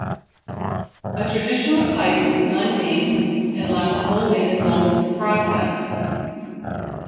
A traditional pipe is "unnamed" and lasts only as long as the process.